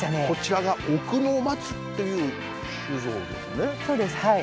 こちらが奥の松っていう酒造ですね。